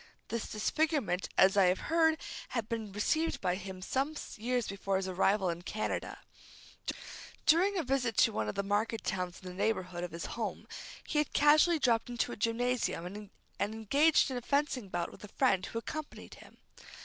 This disfigurement, as I have heard, had been received by him some years before his arrival in Canada. During a visit to one of the market towns in the neighborhood of his home, he had casually dropped into a gymnasium, and engaged in a fencing bout with a friend who accompanied him.